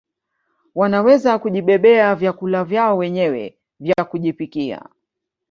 Wanaweza kujibebea vyakula vyao wenyewe vya kujipikia